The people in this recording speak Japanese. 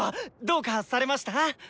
どうかされました